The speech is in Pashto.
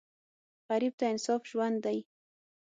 غریب ته انصاف ژوند دی